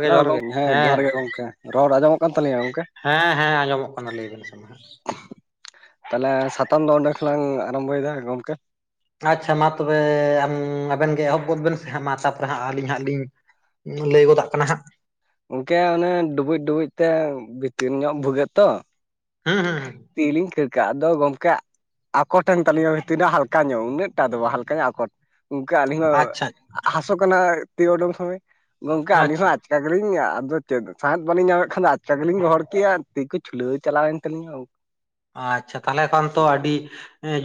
ᱡᱚᱦᱟᱨ ᱜᱮ ᱡᱚᱦᱟᱨ ᱜᱮ ᱜᱚᱢᱠ ᱦᱮᱸ ᱡᱚᱦᱟᱨ ᱜᱮ ᱜᱚᱝᱠᱮ ᱨᱚᱲ ᱟᱸᱡᱚᱢᱚᱜ ᱠᱟᱱ ᱛᱟᱞᱤᱧᱟ ᱜᱚᱝᱠᱮ ᱦᱮᱸ ᱦᱮᱸ ᱟᱸᱡᱚᱢᱚᱜ ᱠᱟᱱᱟ ᱞᱟᱹᱭᱵᱮᱱ ᱥᱮ ᱢᱟ ᱛᱟᱞᱦᱮ ᱥᱟᱛᱟᱢ ᱫᱚ ᱚᱸᱰᱮ ᱠᱷᱚᱞᱟᱝ ᱟᱨᱟᱢᱵᱷᱚᱭᱮᱫᱟ ᱜᱚᱝᱠᱮ ᱟᱪᱪᱷᱟ ᱢᱟ ᱛᱚᱵᱮ ᱟᱢ ᱟᱵᱮᱱ ᱜᱮ ᱮᱦᱚᱵ ᱜᱚᱫ ᱵᱮᱱ ᱥᱮ ᱦᱟᱸᱜ ᱢᱟ ᱥᱟᱯᱚᱨᱮ ᱦᱟᱸᱜ ᱟᱹᱞᱤᱧ ᱦᱟᱸᱜ ᱞᱤᱝ ᱞᱟᱹᱭ ᱜᱚᱫᱚᱜ ᱠᱟᱱᱟ ᱦᱟᱸᱜ ᱜᱟᱝᱠᱮ ᱚᱱᱮ ᱰᱩᱵᱩᱡ ᱰᱩᱵᱩᱡ ᱛᱮ ᱵᱷᱤᱛᱤᱨ ᱧᱚᱜ ᱵᱷᱩᱜᱟᱹᱜ ᱛᱚ ᱦᱩᱸ ᱦᱩᱸ ᱦᱩᱸ ᱛᱤ ᱞᱤᱝ ᱠᱷᱟᱹᱲᱠᱟᱜᱼᱟ ᱟᱫᱚ ᱜᱚᱢᱠᱟ ᱟᱠᱚᱴᱮᱱ ᱛᱟᱹᱤᱧᱟ ᱵᱷᱤᱛᱤᱨ ᱨᱮ ᱦᱟᱞᱠᱟ ᱧᱚᱜ ᱩᱱᱟᱹᱜ ᱴᱟ ᱫᱚ ᱵᱟᱝ ᱦᱟᱞᱠᱟ ᱧᱚᱜ ᱟᱠᱚᱴ ᱜᱚᱝᱠᱮ ᱟᱹᱞᱤᱧ ᱦᱚᱸ ᱟᱪᱪᱷᱟ ᱦᱟᱹᱥᱩ ᱠᱟᱱᱟ ᱛᱤ ᱩᱰᱩᱝ ᱥᱚᱢᱚᱭ ᱜᱚᱝᱠᱮ ᱟᱹᱞᱤᱧ ᱟᱪᱪᱷᱟ ᱦᱚᱸ ᱟᱪ ᱟᱪᱠᱟ ᱜᱮᱞᱤᱧ ᱟᱫᱚ ᱪᱮᱫ ᱥᱟᱸᱮᱫ ᱵᱟᱹᱞᱤᱧ ᱧᱟᱢᱮᱫ ᱠᱷᱟᱱ ᱫᱚ ᱟᱪᱠᱟ ᱜᱮᱞᱤᱧ ᱨᱚᱦᱚᱲ ᱠᱮᱭᱟ ᱛᱤ ᱠᱚ ᱪᱷᱩᱞᱟᱹᱣ ᱪᱟᱞᱟᱣᱮᱱ ᱛᱟᱞᱤᱧᱟᱣ ᱟᱪᱪᱷᱟ ᱛᱟᱦᱚᱞᱮ ᱠᱷᱟᱱ ᱛᱚ ᱟᱹᱰᱤ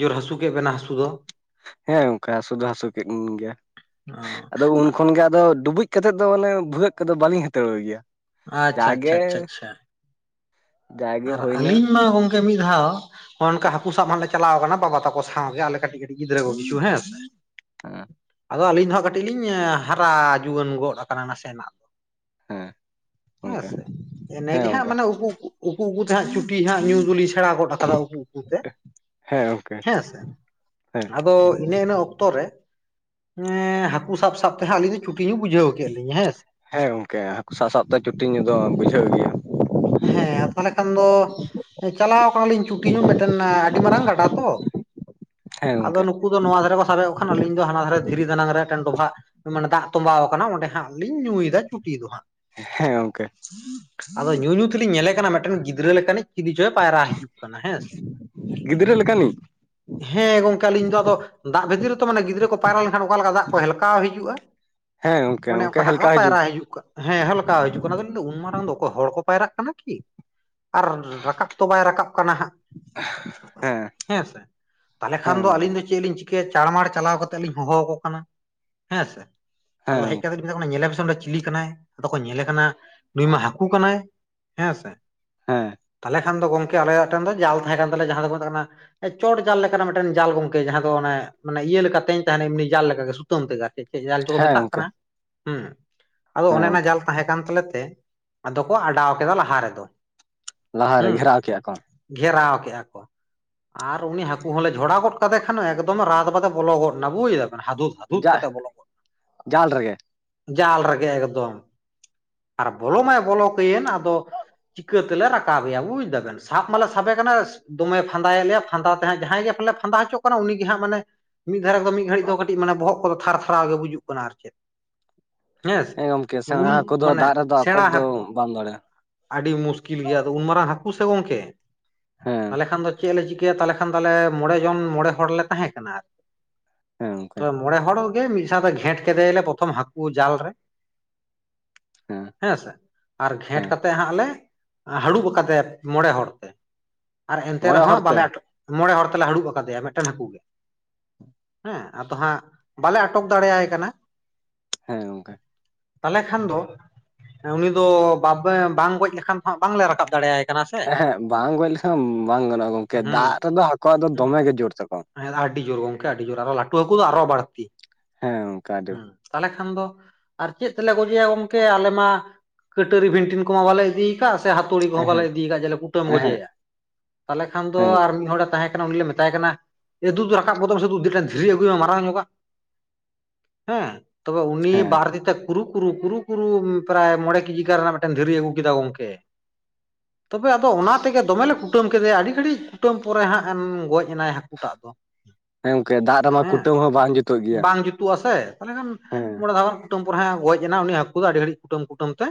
ᱡᱳᱨ ᱦᱟᱹᱥᱩ ᱠᱮᱫ ᱵᱮᱱᱟ ᱦᱟᱹᱥᱩ ᱫᱚ ᱦᱮᱸ ᱚᱱᱠᱟ ᱦᱟᱹᱥᱩ ᱫᱚ ᱦᱟᱹᱥᱩ ᱠᱮᱫᱮᱱ ᱜᱮᱭᱟ ᱟᱫᱚ ᱩᱱ ᱠᱷᱚᱱ ᱜᱮ ᱟᱫᱚ ᱰᱩᱵᱩᱡ ᱠᱟᱛᱮᱫ ᱫᱚ ᱢᱟᱱᱮ ᱵᱷᱩᱜᱟᱹᱜ ᱠᱚᱫᱚ ᱵᱟᱞᱤᱧ ᱦᱟᱛᱟᱲᱟᱣ ᱜᱮᱭᱟ ᱟᱪᱪᱷᱟ ᱡᱟᱜᱮ ᱪᱷᱟ ᱪᱷᱟ ᱪᱷᱟ ᱡᱟᱜᱮ ᱟᱨ ᱦᱩᱭᱱᱟ ᱟᱹᱞᱤᱧ ᱢᱟ ᱜᱚᱢᱠᱮ ᱢᱤᱫ ᱫᱷᱟᱣ ᱦᱚᱸ ᱚᱱᱠᱟ ᱦᱟᱹᱠᱩ ᱥᱟᱵ ᱢᱟᱞᱮ ᱪᱟᱞᱟᱣ ᱟᱠᱟᱱᱟ ᱵᱟᱵᱟ ᱛᱟᱠᱚ ᱥᱟᱶᱜᱮ ᱟᱞᱮ ᱠᱟᱹᱴᱤᱡ ᱠᱟᱹᱴᱤᱡ ᱜᱤᱫᱽᱟᱹ ᱠᱚ ᱠᱤᱪᱷᱩ ᱦᱮᱸ ᱦᱮ ᱟᱫᱚ ᱟᱹᱞᱤᱧ ᱫᱚ ᱦᱟᱸᱜ ᱠᱟᱹᱴᱤᱡ ᱞᱤᱧ ᱦᱟᱨᱟ ᱡᱩᱣᱟᱹᱱ ᱜᱚᱫ ᱟᱠᱟᱱᱟ ᱱᱟᱥᱮᱱᱟᱜ ᱦᱮᱸ ᱦᱮᱸ ᱜᱚᱝᱠᱮ ᱥᱮ ᱦᱮᱸ ᱮᱱᱟᱜᱮ ᱦᱟᱸᱜ ᱜᱚᱝᱠᱮ ᱢᱟᱱᱮ ᱩᱠᱩ ᱩᱠᱩ ᱩᱠᱩ ᱩᱠᱩ ᱛᱮ ᱦᱟᱸᱜ ᱪᱩᱴᱤ ᱦᱟᱸᱜ ᱧᱩ ᱫᱩᱞᱤᱧ ᱥᱮᱬᱟ ᱜᱚᱫ ᱟᱠᱟᱫᱟ ᱩᱠᱩ ᱩᱠᱩ ᱛᱮ ᱦᱮᱸ ᱜᱚᱝᱠᱮ ᱦᱮᱸ ᱥᱮ ᱦᱮᱸ ᱟᱫᱚ ᱤᱱᱟᱹ ᱚᱠᱛᱚ ᱨᱮ ᱮᱸᱻᱦᱟᱹᱠᱩ ᱥᱟᱵ ᱥᱟᱵ ᱛᱮᱦᱟ ᱟᱹᱞᱤᱧ ᱫᱚ ᱪᱷᱩᱴᱤ ᱧᱚᱜ ᱵᱩᱡᱷᱟᱹᱣ ᱠᱮᱫ ᱞᱤᱧᱟ ᱦᱮᱸ ᱦᱮᱸ ᱜᱚᱝᱠᱮ ᱦᱟᱹᱠᱩ ᱥᱟᱵ ᱥᱟᱵᱛᱮ ᱪᱩᱴᱤ ᱧᱩ ᱫᱚ ᱵᱩᱡᱷᱟᱹᱣ ᱜᱮᱭᱟ ᱦᱮᱸ ᱛᱟᱦᱚᱞᱮ ᱠᱷᱟᱱ ᱫᱚ ᱮᱸ ᱪᱟᱞᱟᱣ ᱠᱟᱱᱟᱞᱤᱧ ᱪᱩᱴᱤ ᱧᱩ ᱢᱤᱫᱴᱮᱱ ᱟᱹᱰᱤ ᱢᱟᱨᱟᱝ ᱜᱟᱰᱟ ᱛᱚ ᱦᱮᱸ ᱟᱫᱚ ᱜᱚᱝᱠᱮ ᱱᱩᱠᱩ ᱫᱚ ᱱᱚᱣᱟ ᱫᱷᱟᱨᱮ ᱠᱚ ᱥᱟᱵᱮᱫ ᱠᱚ ᱠᱷᱟᱱ ᱟᱞᱤᱧ ᱫᱚ ᱦᱟᱱᱟ ᱫᱷᱟᱨᱮ ᱫᱷᱤᱨᱤ ᱫᱟᱱᱟᱝ ᱨᱮ ᱢᱤᱫᱴᱮᱱ ᱰᱚᱵᱷᱟᱜ ᱢᱟᱱᱮ ᱫᱟᱜ ᱛᱚᱸᱵᱟᱣ ᱟᱠᱟᱱᱟ ᱚᱸᱰᱮ ᱦᱟᱸᱜ ᱞᱤᱧ ᱧᱩᱭᱮᱫᱟ ᱪᱩᱴᱤ ᱫᱚ ᱦᱟᱸᱜ ᱦᱮᱸ ᱜᱚᱝᱠᱮ ᱟᱫᱚ ᱧᱩᱼᱧᱩ ᱛᱮᱞᱤᱧ ᱧᱮᱞᱮ ᱠᱟᱱᱟ ᱢᱤᱫ ᱴᱟᱝ ᱜᱤᱫᱽᱨᱟᱹ ᱞᱮᱠᱟᱱᱤᱡ ᱪᱤᱞᱤᱪᱚᱭ ᱯᱟᱭᱨᱟ ᱦᱤᱡᱩᱜ ᱠᱟᱱᱟ ᱦᱮᱸ ᱥᱮ ᱜᱤᱫᱽᱨᱟᱹ ᱞᱮᱠᱟᱱᱤᱡ ᱦᱮᱸ ᱜᱚᱝᱠᱮ ᱟᱹᱞᱤᱧ ᱫᱚ ᱟᱫᱚ ᱫᱟᱜ ᱵᱷᱤᱛᱤᱨ ᱨᱮ ᱛᱚ ᱜᱤᱫᱽᱨᱟᱹ ᱠᱚ ᱯᱟᱭᱨᱟ ᱞᱮᱱᱠᱷᱟᱱ ᱚᱠᱟ ᱞᱮᱠᱟ ᱫᱟᱜ ᱠᱚ ᱦᱮᱞᱠᱟᱣ ᱦᱤᱡᱩᱜᱼᱟ ᱦᱮᱸ ᱜᱚᱝᱠᱮ ᱚᱱᱮ ᱜᱚᱝᱠᱮ ᱚᱱᱠᱟ ᱦᱟᱜ ᱦᱮᱞᱠᱟ ᱦᱚᱸ ᱯᱟᱭᱨᱟ ᱦᱤᱡᱩᱜ ᱠᱟᱱ ᱦᱮᱸ ᱦᱮᱞᱠᱟᱣ ᱦᱤᱡᱩᱜ ᱠᱟᱱᱟ ᱠᱤᱱᱛᱩ ᱩᱱ ᱢᱟᱨᱟᱝ ᱫᱚ ᱚᱠᱚᱭ ᱦᱚᱲ ᱠᱚ ᱯᱟᱭᱨᱟᱜ ᱠᱟᱱᱟ ᱠᱤ ᱟᱨ ᱨᱟᱠᱟᱵ ᱛᱚ ᱵᱟᱭ ᱨᱟᱠᱟᱵ ᱠᱟᱱᱟ ᱦᱟᱸᱜ ᱦᱮᱸ ᱦᱮᱸᱥᱮ ᱛᱟᱦᱚᱞᱮ ᱦᱮᱸ ᱠᱷᱟᱱ ᱫᱚ ᱜᱚᱝᱠᱮ ᱟᱹᱞᱤᱧ ᱫᱚ ᱪᱮᱫ ᱞᱤᱧ ᱪᱤᱠᱟᱹᱭᱟ ᱪᱟᱲᱢᱟᱲ ᱪᱟᱞᱟᱣ ᱠᱟᱛᱮᱜ ᱞᱤᱧ ᱦᱚᱦᱚ ᱣᱟᱠᱚ ᱠᱟᱱᱟ ᱦᱮᱸ ᱥᱮ ᱦᱮᱸ ᱟᱫᱚ ᱦᱮᱡ ᱜᱚᱝᱠᱮ ᱠᱟᱛᱮᱫ ᱠᱚ ᱠᱟᱱᱟ ᱧᱮᱞᱮ ᱯᱮᱥᱮ ᱚᱸᱰᱮ ᱪᱤᱞᱤ ᱠᱟᱱᱟᱭ ᱟᱫᱚ ᱠᱚ ᱧᱮᱞᱮ ᱠᱟᱱᱟ ᱱᱩᱭ ᱢᱟ ᱦᱟ. ᱠᱩ ᱠᱟᱱᱟᱭ ᱦᱮᱸ ᱥᱮ ᱦᱮᱸ ᱛᱟᱦᱚᱞᱮ ᱠᱷᱟᱱ ᱫᱚ ᱜᱚᱝᱠᱮ ᱟᱞᱮᱭᱟᱜ ᱴᱷᱮᱱ ᱫᱚ ᱡᱟᱞ ᱛᱟᱦᱮᱸ ᱠᱟᱱᱟ ᱡᱟᱦᱟᱸ ᱫᱚᱠᱚ ᱢᱮᱛᱟᱜ ᱠᱟᱱᱟ ᱪᱚᱴ ᱡᱟᱞ ᱞᱮᱠᱟᱱᱟᱜ ᱢᱤᱫᱴᱟᱝ ᱢᱤᱤᱫᱴᱟ. ᱝ ᱡᱟᱞ ᱜᱚᱝᱠᱮ ᱡᱟᱦᱟᱸ ᱫᱚ ᱚᱱᱮ ᱢᱟᱱᱮ ᱤᱭᱟᱹ ᱞᱮᱠᱟ ᱛᱮᱧ ᱛᱟᱦᱮᱱᱟ ᱮᱢᱱᱤ ᱡᱟᱞ ᱞᱮᱠᱟᱜᱮ ᱥᱩ ᱛᱟᱢ ᱛᱮ ᱜᱟᱜ ᱛᱮ ᱪᱮᱫ ᱡᱟᱞ ᱪᱚ ᱠᱚ ᱦᱮᱸ ᱢᱮᱛᱟᱜ ᱜᱚᱝᱠᱮ ᱠᱟᱱᱟ ᱦᱮᱸ ᱟᱫᱚ ᱦᱮᱸ ᱚᱱᱮ ᱚᱱᱟ ᱜᱚᱝᱠᱮ ᱡᱟᱞ ᱛᱟᱦᱮᱸ ᱠᱟᱱ ᱛᱟᱞᱮᱛᱮ ᱟᱫᱚ ᱠᱚ ᱚᱰᱟᱣ ᱠᱮᱫᱟ ᱞᱟᱦᱟ ᱨᱮᱫᱚ ᱞᱟᱦᱟᱨᱮ ᱦᱩᱸ ᱜᱷᱮᱨᱟᱣ ᱠᱮᱜᱼᱟ ᱠᱚ ᱜᱷᱮᱨᱟᱣ ᱠᱮᱜᱼᱟ ᱠᱚ ᱟᱨ ᱩᱱᱤ ᱦᱟᱹᱠᱩ ᱦᱚᱸᱞᱮ ᱡᱷᱚᱲᱟ ᱜᱚᱫ ᱠᱟᱫᱮ ᱠᱷᱟᱱ ᱮᱠᱫᱚᱢᱮ ᱨᱟᱫ ᱵᱟᱫᱮ ᱵᱚᱞᱚ ᱜᱚᱫ ᱮᱱᱟ ᱵᱩᱡ ᱮᱫᱟ ᱵᱮᱱ ᱦᱟᱫᱩᱥ ᱦᱟᱫᱩᱛ ᱡᱟ ᱠᱟᱛᱮ ᱵᱚᱞ ᱜᱚᱫ ᱡᱟᱞ ᱨᱮᱜᱮ ᱡᱟᱞ ᱨᱮᱜᱮ ᱮᱠᱫᱚᱢ ᱟᱨ ᱵᱚᱞᱚ ᱢᱟᱭ ᱵᱚᱞᱚ ᱠᱟ‌ᱹᱭᱮᱱ ᱟᱫᱚ ᱪᱤᱠᱟᱹ ᱛᱮᱞᱮ ᱨᱟᱠᱟᱵᱮᱭᱟ ᱵᱩᱡᱽ ᱫᱟᱵᱮᱱ ᱥᱟᱵ ᱢᱟᱞᱮ ᱥᱟᱵᱮ ᱠᱟᱱᱟ ᱫᱚᱢᱮ ᱯᱸᱫᱭᱮᱫ ᱞᱮᱭᱟ ᱯᱷᱟᱸᱫᱟ ᱛᱮᱦᱟᱸᱜ ᱡᱟᱦᱟᱸᱭ ᱜᱮᱭ ᱯᱷᱟᱸᱫᱟ ᱦᱚᱪᱚᱜ ᱠᱟᱱᱟ ᱩᱱᱤᱜᱮ ᱦᱟᱸᱜ ᱢᱟᱱᱮ ᱢᱤᱫ ᱫᱷᱟᱨᱮᱫᱚ ᱢᱤᱫ ᱜᱷᱟᱹᱲᱤᱡ ᱫᱚ ᱠᱟᱹᱴᱤᱡ ᱫᱚ ᱢᱟᱱᱮ ᱵᱚᱦᱚᱜ ᱠᱚᱫᱚ ᱛᱷᱟᱨ ᱛᱷᱟᱨᱟᱣ ᱜᱮ ᱵᱩᱡᱩᱜ ᱠᱟᱱᱟ ᱟᱨ ᱪᱮᱫ ᱦᱮᱸ ᱥᱮ ᱩᱱ ᱢᱟᱱᱮ ᱥᱮᱬᱟ ᱦᱟᱹᱠᱩ ᱵᱟᱝ ᱫᱟᱲᱮᱭᱟᱜ ᱟᱹᱰᱤ ᱢᱩᱥᱠᱤᱞ ᱜᱮᱭᱟ ᱟᱫᱚ ᱩᱱ ᱢᱟᱨᱟᱝ ᱦᱟᱹᱠᱩ ᱥᱮ ᱜᱚᱝᱠᱮ ᱦᱮᱸ ᱛᱟᱦᱚᱞᱮ ᱠᱷᱟᱱ ᱫᱚ ᱪᱮᱫ ᱞᱮ ᱪᱤᱠᱟᱹᱭᱟ ᱛᱟᱦᱞᱮ ᱠᱷᱟᱱ ᱫᱚ ᱟᱞᱮ ᱢᱚᱬᱮ ᱡᱚᱱ ᱢᱚᱬᱮ ᱦᱚᱲ ᱞᱮ ᱛᱟᱦᱮᱸ ᱠᱟᱱᱟ ᱟᱨᱠᱤ ᱦᱮᱸ ᱜᱚᱢᱠᱮ ᱢᱚᱬᱮ ᱦᱚᱲ ᱜᱮ ᱢᱤᱫ ᱥᱟᱶᱛᱮ ᱜᱷᱮᱸᱴ ᱠᱮᱫᱮᱭᱟᱞᱮ ᱯᱨᱚᱛᱷᱚᱢ ᱦᱟᱹᱠᱩ ᱡᱟᱞ ᱨᱮ ᱦᱮᱸ ᱦᱮᱸ ᱥᱮ ᱟᱨ ᱜᱷᱮᱸᱴ ᱦᱮᱸ ᱠᱟᱛᱮᱜ ᱦᱟᱸᱜ ᱞᱮ ᱦᱟ. ᱲᱩᱵ ᱟᱠᱟᱫᱮᱭᱟ ᱢᱚᱬᱮ ᱦᱚᱲ ᱛᱮ ᱟᱨ ᱮᱱᱛᱮ ᱢᱚᱬᱮ ᱦᱚᱲ ᱨᱮᱦᱚᱸ ᱛᱮ ᱵᱟᱞᱮ ᱟᱴᱚᱜ ᱢᱚᱬᱮ ᱦᱚᱲ ᱛᱮᱞᱮ ᱦᱟ. ᱲᱩᱵ ᱟᱠᱟᱫᱮᱭᱟ ᱢᱤᱫᱴᱟᱝ ᱦᱟᱹᱠᱩ ᱜᱮ ᱦᱮᱸ ᱟᱫᱚ ᱦᱟᱸᱜ ᱵᱟᱞᱮ ᱟᱴᱚᱠ ᱫᱟᱲᱮᱭᱟᱭ ᱠᱟᱱᱟ ᱦᱮᱸ ᱜᱚᱝᱠᱮ ᱛᱟᱦᱚᱞᱮ ᱠᱷᱟᱱ ᱫᱚ ᱩᱱᱤ ᱫᱚ ᱵᱟᱯᱮ ᱵᱟᱝ ᱜᱚᱡ ᱞᱮᱠᱷᱟᱱ ᱦᱚᱸ ᱦᱟᱸᱜ ᱵᱟᱝᱞᱮ ᱨᱟᱠᱟᱵ ᱫᱟᱲᱮᱭᱟᱭ ᱠᱟᱱᱟ ᱥᱮ ᱦᱮᱸ ᱦᱮᱸᱜ ᱵᱟᱝ ᱜᱚᱡ ᱞᱮᱠᱷᱟᱱ ᱵᱟᱝ ᱜᱟᱱᱚᱜᱼᱟ ᱜᱚᱝᱠᱮ ᱦᱩᱸ ᱫᱟᱜ ᱨᱮᱫᱚ ᱦᱟᱹᱠᱩᱣᱟᱜ ᱫᱚ ᱫᱚᱢᱮ ᱜᱮ ᱡᱳᱨ ᱛᱟᱠᱚ ᱦᱮᱸ ᱟᱹᱰᱤ ᱡᱳᱨ ᱜᱚᱝᱠᱮ ᱟᱹᱰᱤ ᱡᱳᱨ ᱟᱨᱦᱚᱸ ᱞᱟᱹᱴᱩ ᱦᱟᱹᱠᱩ ᱫᱚ ᱟᱨᱦᱚᱸ ᱵᱟᱹᱲᱛᱤ ᱦᱮᱸ ᱚᱝᱠᱟ ᱫᱚ ᱦᱩᱸ ᱛᱟᱦᱚᱞᱮ ᱠᱷᱟᱱ ᱫᱚ ᱟᱨ ᱪᱮᱫ ᱛᱮᱞᱮ ᱜᱚᱡᱮᱭᱟ ᱜᱚᱢᱠᱮ ᱟᱞᱮ ᱢᱟ ᱠᱟ. ᱴᱟ. ᱨᱤ ᱵᱷᱤᱱᱴᱤᱱ ᱠᱚᱦᱚᱸ ᱵᱟᱞᱮ ᱤᱫᱤ ᱥᱟ ᱦᱟᱹᱛᱩᱲᱤ ᱠᱚᱦᱚᱸ ᱵᱟᱞᱮ ᱮᱦᱮᱸᱜ ᱤᱫᱤᱭᱟᱠᱟᱫᱼᱟ ᱡᱮ ᱠᱩᱴᱟᱹᱢ ᱮᱦᱮᱸᱜ ᱜᱚᱡᱮᱭᱟ ᱛᱟᱦᱚᱞᱮ ᱠᱷᱟᱱ ᱫᱚ ᱦᱮᱸ ᱟᱨ ᱢᱤᱫ ᱦᱚᱲᱮ ᱛᱟᱦᱮᱸ ᱩᱱᱤ ᱞᱮ ᱢᱮᱛᱟᱭ ᱠᱟᱱᱟ ᱮ ᱫᱩᱫᱩ ᱨᱟᱠᱟᱵ ᱜᱚᱫᱚᱜ ᱢᱮᱥᱮ ᱛᱮᱴᱟᱱ ᱫᱷᱤᱨᱤ ᱟᱹᱜᱩᱭ ᱢᱮ ᱢᱟᱨᱟᱝ ᱧᱚᱜᱟᱜ ᱦᱮᱸ ᱛᱚᱵᱮ ᱩᱱᱤ ᱦᱮᱸ ᱵᱟᱨᱛᱤᱛᱮ ᱠᱩᱨᱩᱼᱠᱩᱨᱩ ᱯᱨᱟᱭ ᱢᱚᱬᱮ ᱠᱤᱡᱤ ᱛᱮᱭᱟᱨ ᱨᱮᱱᱟᱜ ᱢᱤᱫᱴᱮᱱ ᱫᱷᱤᱨᱤ ᱟᱹᱜᱩ ᱠᱮᱫᱟ ᱜᱚᱝᱠᱮ ᱛᱚᱵᱮ ᱟᱫᱚ ᱚᱱᱟ ᱛᱮᱜᱮ ᱫᱚᱢᱮᱞᱮ ᱠᱩᱴᱟᱹᱢ ᱠᱮᱫᱮᱭᱟ ᱟᱹᱰᱤ ᱜᱷᱟᱹᱲᱤᱡ᱾ ᱠᱩᱴᱟᱹᱢ ᱯᱚᱨᱮ ᱦᱟᱸᱜ ᱮᱢ ᱜᱚᱡ ᱮᱱᱟᱭ ᱦᱟᱹᱠᱩᱴᱟᱜ ᱫᱚ᱾ ᱦᱮᱸ ᱜᱚᱝᱠᱮ ᱫᱟᱜ ᱨᱮᱢᱟ ᱦᱮᱸ ᱠᱩᱴᱟᱹᱢ ᱦᱚᱸ ᱵᱟᱝ ᱡᱩᱛᱩᱜ ᱜᱮᱭᱟ ᱵᱟᱝ ᱡᱩᱛᱩᱜ ᱟ ᱥᱮ ᱾ ᱛᱟᱦᱚᱞᱮᱠᱷᱟᱱ ᱦᱮᱸ ᱢᱚᱬᱮ ᱫᱟᱣ ᱠᱩᱴᱟᱹᱢ ᱯᱚᱨᱮ ᱜᱚᱡ ᱮᱱᱟ ᱩᱱᱤ ᱦᱟᱹᱠᱩ ᱫᱚ ᱟᱹᱰᱤ ᱜᱷᱟᱹᱲᱤᱡ ᱠᱩᱴᱟᱹᱢ ᱠᱩᱴᱟᱹᱢ ᱛᱮ᱾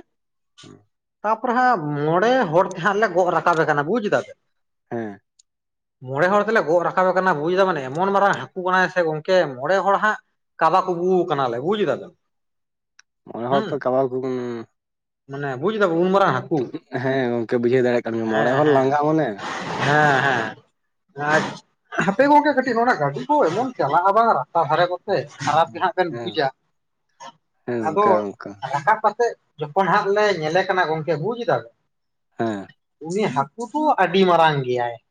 ᱚᱸᱻ ᱾ ᱛᱟᱯᱚᱨᱮ ᱦᱟᱸᱜ ᱢᱚᱬᱮ ᱦᱚᱲ ᱛᱮ ᱦᱟᱸᱜ ᱞᱮ ᱜᱚᱜ ᱨᱟᱠᱟᱵᱮ ᱠᱟᱱᱟ ᱵᱩᱡ ᱮᱫᱟᱵᱮ ᱾ ᱦᱮᱸᱻ ᱾ ᱢᱚᱬᱮ ᱦᱚᱲ ᱛᱮᱞᱮ ᱜᱚᱜ ᱨᱟᱠᱟᱵᱮ ᱠᱟᱱᱟ ᱵᱩᱡᱫᱟᱵᱮᱱ ᱮᱢᱚᱱ ᱢᱟᱨᱟᱝ ᱦᱟᱹᱠᱩ ᱠᱟᱱᱟᱭ ᱥᱮ ᱜᱚᱝᱠᱮ ᱢᱚᱬᱮ ᱦᱚᱲ ᱦᱟᱸᱜ ᱠᱟᱵᱟ ᱠᱩᱵᱩ ᱠᱟᱱᱟᱞᱮ ᱵᱩᱡᱽ ᱫᱟᱵᱮᱱ᱾ ᱢᱚᱬᱮ ᱦᱚᱲ ᱦᱩᱸ ᱛᱮ ᱠᱟᱵᱟ ᱠᱚᱵᱩᱸᱻ ᱢᱟᱱᱮ ᱵᱩᱡ ᱫᱟᱵᱚᱱ ᱩᱱ ᱢᱟᱨᱟᱝ ᱦᱟᱠ ᱦᱮᱸ ᱜᱚᱝᱠᱮ ᱵᱩᱡᱷᱟᱹᱣ ᱫᱟᱲᱮᱭᱟᱜ ᱠᱟᱱ ᱜᱮᱭᱟᱹᱧ ᱢᱚᱬᱮ ᱦᱚᱲ ᱞᱟᱝᱜᱟ ᱢᱟᱱᱮ᱾ ᱦᱮᱸᱻ ᱦᱮᱸᱻ ᱾ ᱦᱟᱯᱮ ᱜᱚᱝᱠᱮ ᱠᱟᱹᱴᱤᱡ ᱱᱚᱣᱟ ᱜᱟᱹᱰᱤ ᱠᱚ ᱮᱢᱚᱱ ᱪᱟᱞᱟᱜᱼᱟ ᱵᱟᱝ ᱨᱟᱥᱛᱷᱟ ᱫᱷᱟᱨᱮ ᱠᱚ ᱠᱷᱟᱨᱟᱯ ᱜᱮ ᱦᱟᱸᱜ ᱵᱮᱱ ᱦᱮᱸ ᱵᱩᱡᱟ ᱦᱮᱸ ᱟᱫᱚ ᱚᱝᱠᱟ ᱚᱝᱠᱟ ᱨᱟᱠᱟᱵ ᱠᱟᱛᱮ ᱡᱚᱠᱷᱚᱱ ᱦᱟᱸᱜ ᱞᱮ ᱧᱮᱞᱮ ᱠᱟᱱᱟ ᱜᱚᱝᱠᱮ ᱵᱩᱡ ᱫᱟᱵᱮᱱ᱾ ᱦᱮᱸᱻ ᱾ ᱡᱮ ᱦᱟᱹᱠᱳ ᱫᱚ ᱟᱹᱰᱤ ᱢᱟᱨᱟᱝ ᱜᱮᱭᱟᱭ ᱾